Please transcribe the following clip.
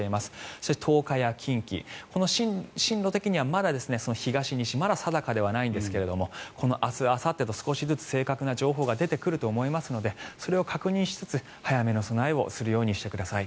そして東海や近畿、進路的にはまだ東西、定かではないんですが明日あさってと少しずつ正確な情報が出てくると思いますのでそれを確認しつつ早めの備えをするようにしてください。